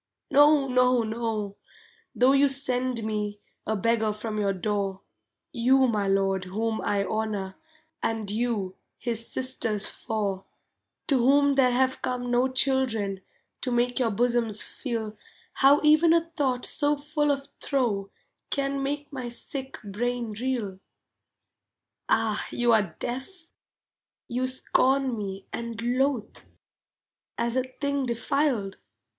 No, no, no! tho you send me A beggar from your door, You, my lord, whom I honour, And you, his sisters four, To whom there have come no children To make your bosoms feel How even a thought so full of throe Can make my sick brain reel. Ah, you are deaf? you scorn me And loathe, as a thing defiled?